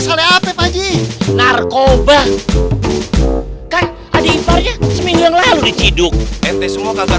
salah apa pakcik narkoba kan ada ibaratnya seminggu yang lalu diciduk ente semua kagak